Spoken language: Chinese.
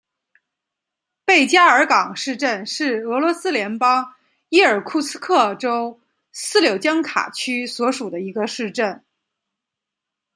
贝加尔港市镇是俄罗斯联邦伊尔库茨克州斯柳江卡区所属的一个市镇。